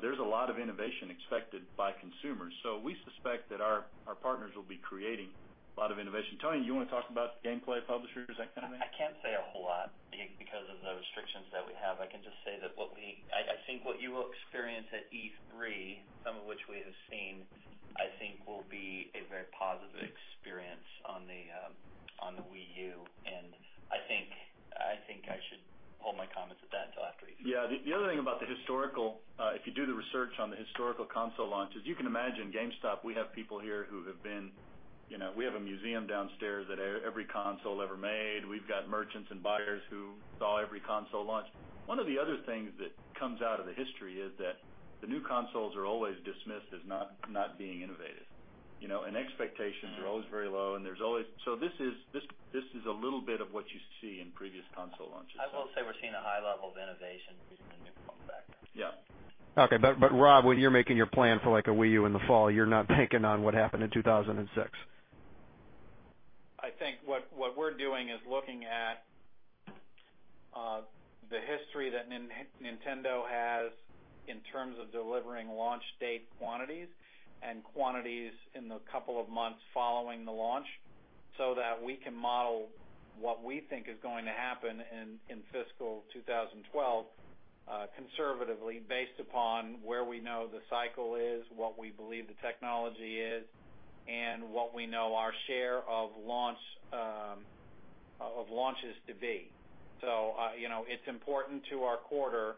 there's a lot of innovation expected by consumers. We suspect that our partners will be creating a lot of innovation. Tony, you want to talk about gameplay publishers, that kind of thing? I can't say a whole lot because of the restrictions that we have. I can just say that I think what you will experience at E3, some of which we have seen, I think will be a very positive experience on the Wii U, and I think I should hold my comments at that until after E3. Yeah. The other thing about the historical, if you do the research on the historical console launches, you can imagine GameStop, we have people here who have. We have a museum downstairs that every console ever made. We've got merchants and buyers who saw every console launch. One of the other things that comes out of the history is that the new consoles are always dismissed as not being innovative. Expectations are always very low. This is a little bit of what you see in previous console launches. I will say we're seeing a high level of innovation using the new console factors. Yeah. Okay. Rob, when you're making your plan for like a Wii U in the fall, you're not banking on what happened in 2006? I think what we're doing is looking at the history that Nintendo has in terms of delivering launch date quantities and quantities in the couple of months following the launch, that we can model what we think is going to happen in fiscal 2012 conservatively based upon where we know the cycle is, what we believe the technology is, and what we know our share of launches to be. It's important to our quarter,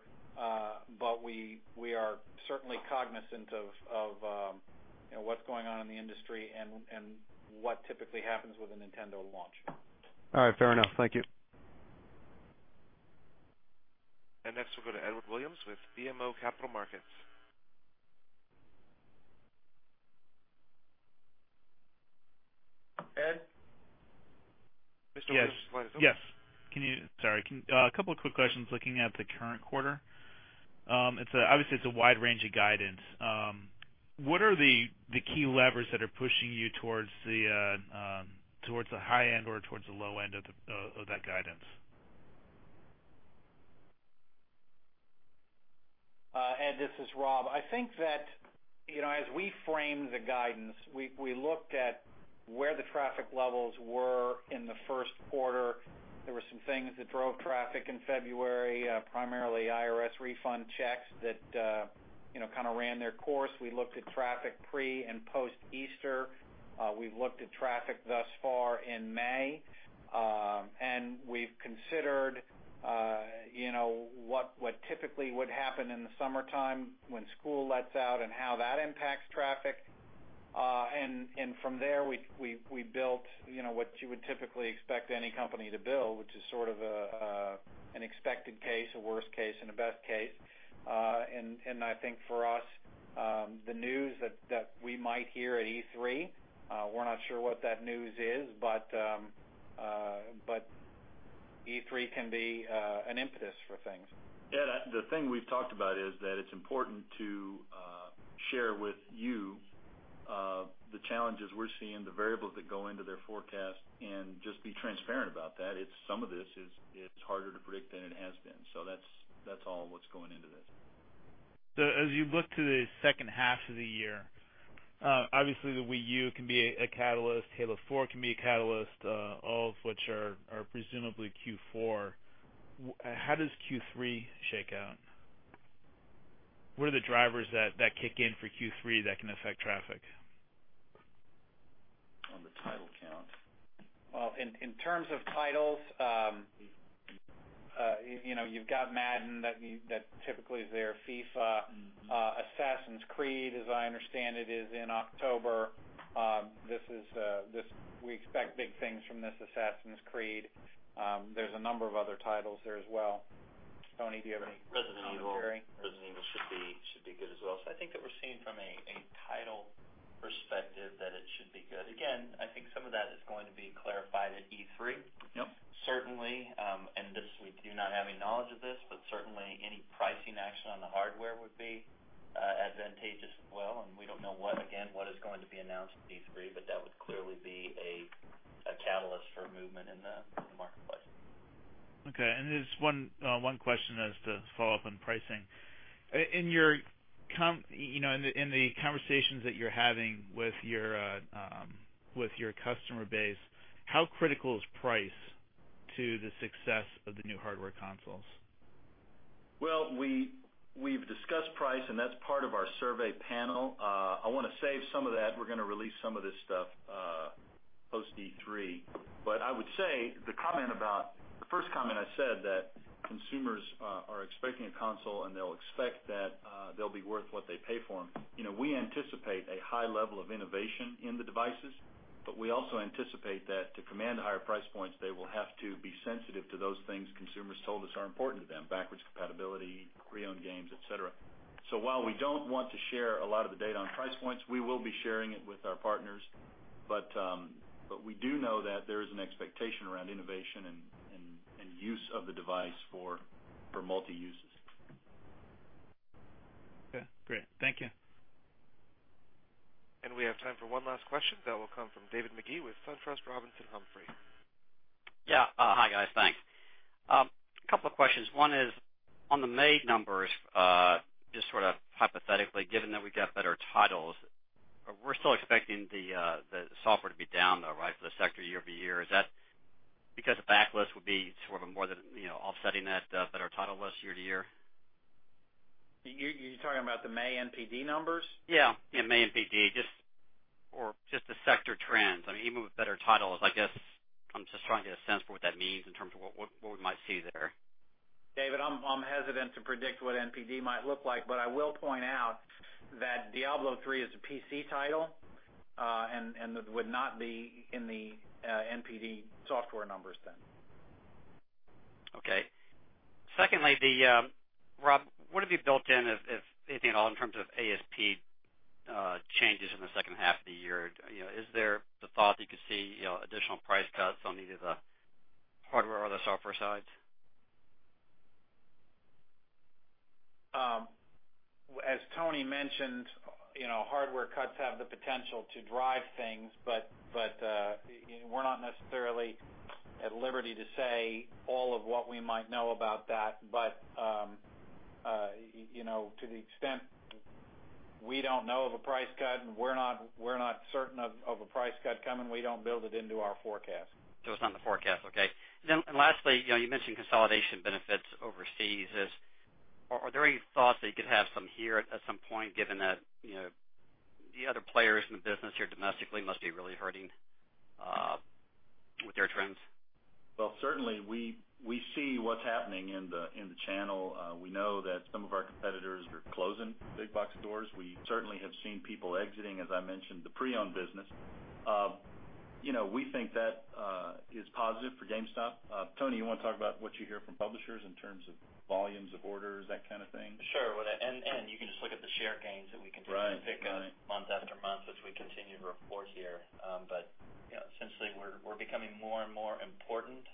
but we are certainly cognizant of what's going on in the industry and what typically happens with a Nintendo launch. All right. Fair enough. Thank you. Next, we'll go to Edward Williams with BMO Capital Markets. Ed? Mr. Williams. Yes. Sorry. A couple of quick questions looking at the current quarter. Obviously, it's a wide range of guidance. What are the key levers that are pushing you towards the high end or towards the low end of that guidance? Ed, this is Rob. I think that, as we frame the guidance, we looked at where the traffic levels were in the first quarter. There were some things that drove traffic in February, primarily IRS refund checks that kind of ran their course. We looked at traffic pre- and post-Easter. We've looked at traffic thus far in May. We've considered what typically would happen in the summertime when school lets out and how that impacts traffic. From there, we built what you would typically expect any company to build, which is sort of an expected case, a worst case, and a best case. I think for us, the news that we might hear at E3, we're not sure what that news is, but E3 can be an impetus for things. Ed, the thing we've talked about is that it's important to share with you the challenges we're seeing, the variables that go into their forecast, and just be transparent about that. Some of this is harder to predict than it has been. That's all what's going into this. As you look to the second half of the year, obviously the Wii U can be a catalyst, Halo 4 can be a catalyst, all of which are presumably Q4. How does Q3 shake out? What are the drivers that kick in for Q3 that can affect traffic? On the title count. Well, in terms of titles, you've got Madden that typically is there, FIFA. Assassin's Creed, as I understand it, is in October. We expect big things from this Assassin's Creed. There's a number of other titles there as well. Tony, do you have any commentary? Resident Evil should be good as well. I think that we're seeing from a title perspective that it should be good. Again, I think some of that is going to be clarified at E3. Yep. Certainly, and this, we do not have any knowledge of this, but certainly any pricing action on the hardware would be advantageous as well, and we don't know, again, what is going to be announced at E3, but that would clearly be a catalyst for movement in the marketplace. Okay, just one question as to follow up on pricing. In the conversations that you're having with your customer base, how critical is price to the success of the new hardware consoles? Well, we've discussed price, and that's part of our survey panel. I want to save some of that. We're going to release some of this stuff post E3. I would say the first comment I said that consumers are expecting a console, and they'll expect that they'll be worth what they pay for them. We anticipate a high level of innovation in the devices, but we also anticipate that to command the higher price points, they will have to be sensitive to those things consumers told us are important to them, backwards compatibility, pre-owned games, et cetera. While we don't want to share a lot of the data on price points, we will be sharing it with our partners. We do know that there is an expectation around innovation and use of the device for multi-uses. Okay, great. Thank you. We have time for one last question, that will come from David Magee with SunTrust Robinson Humphrey. Yeah. Hi, guys. Thanks. Couple of questions. One is on the May numbers, just sort of hypothetically, given that we got better titles, we're still expecting the software to be down, though, right, for the sector year-over-year. Is that because the backlist would be sort of more than offsetting that better title list year-to-year? You're talking about the May NPD numbers? Yeah. May NPD, or just the sector trends. Even with better titles, I guess I'm just trying to get a sense for what that means in terms of what we might see there. David, I'm hesitant to predict what NPD might look like, I will point out that Diablo III is a PC title, it would not be in the NPD software numbers then. Okay. Secondly, Rob, what have you built in, if anything at all, in terms of ASP changes in the second half of the year? Is there the thought that you could see additional price cuts on either the hardware or the software sides? As Tony mentioned, hardware cuts have the potential to drive things, we're not necessarily at liberty to say all of what we might know about that. To the extent we don't know of a price cut, and we're not certain of a price cut coming, we don't build it into our forecast. It's not in the forecast, okay. Then lastly, you mentioned consolidation benefits overseas. Are there any thoughts that you could have some here at some point, given that the other players in the business here domestically must be really hurting with their trends? Well, certainly, we see what's happening in the channel. We know that some of our competitors are closing big box stores. We certainly have seen people exiting, as I mentioned, the pre-owned business. We think that is positive for GameStop. Tony, you want to talk about what you hear from publishers in terms of volumes of orders, that kind of thing? Sure. You can just look at the share gains that we. Right to pick up month after month as we continue to report here. Essentially, we're becoming more and more important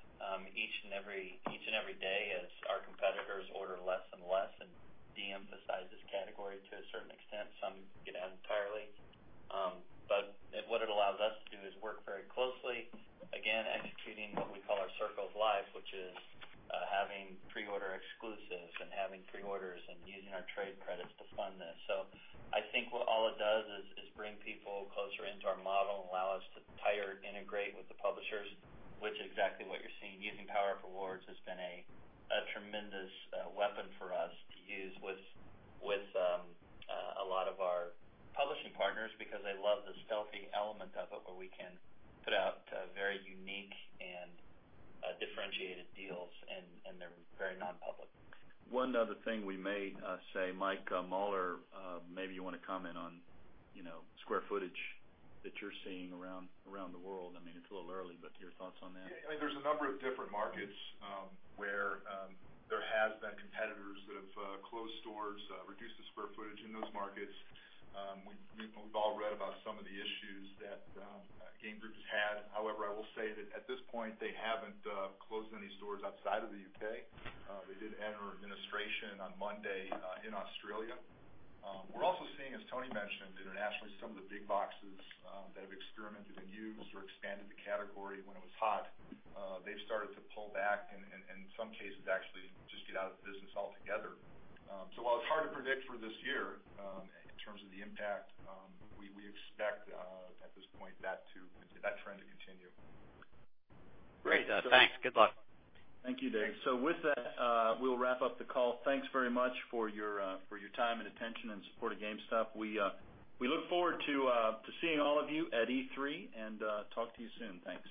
each and every day as our competitors order less and less and de-emphasize this category to a certain extent. Some get out entirely. on square footage that you're seeing around the world. It's a little early, but your thoughts on that? Yeah. There's a number of different markets where there have been competitors that have closed stores, reduced the square footage in those markets. We've all read about some of the issues that Game Group has had. However, I will say that at this point, they haven't closed any stores outside of the U.K. They did enter administration on Monday in Australia. We're also seeing, as Tony mentioned, internationally, some of the big boxes that have experimented and used or expanded the category when it was hot. They've started to pull back and, in some cases, actually just get out of the business altogether. While it's hard to predict for this year in terms of the impact, we expect, at this point, that trend to continue. Great. Thanks. Good luck. Thank you, David. With that, we'll wrap up the call. Thanks very much for your time and attention and support of GameStop. We look forward to seeing all of you at E3, and talk to you soon. Thanks.